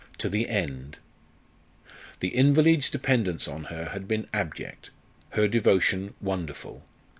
to the end. The invalid's dependence on her had been abject, her devotion wonderful.